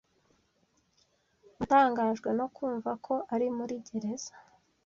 Natangajwe no kumva ko ari muri gereza.